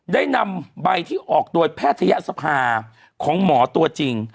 ได้นำใบที่ออกโดยแพทยศภาของหมอตัวจริง